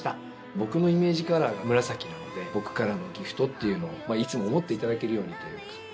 僕のイメージカラーが紫なので僕からのギフトっていうのをいつも思っていただけるようにというか。